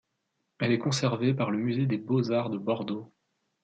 Elle est conservée par le Musée des beaux-arts de Bordeaux.